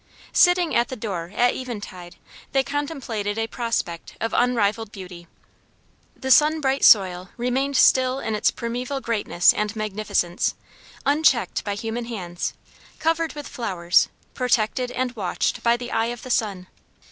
Sitting at the door at eventide they contemplated a prospect of unrivaled beauty. The sun bright soil remained still in its primeval greatness and magnificence, unchecked by human hands, covered with flowers, protected and watched by the eye of the sun.